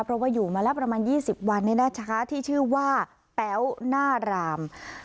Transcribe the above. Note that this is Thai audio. เพราะว่าอยู่มาแล้วประมาณ๒๐วันที่ชื่อว่าแป๊วหน้าราม